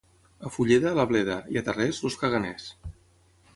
A Fulleda, la bleda, i a Tarrés, els caganers.